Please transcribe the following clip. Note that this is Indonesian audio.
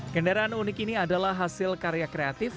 kendaraan unik ini adalah hasil karya kreatif